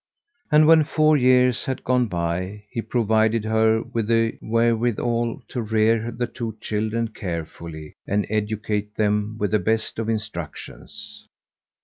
And when four years had gone by, he provided her with the wherewithal to rear the two children carefully and educate them with the best of instructions.